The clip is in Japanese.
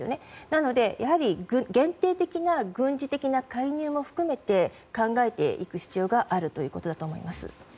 なので、限定的な軍事的な介入も含めて考えていく必要があるということだと思います。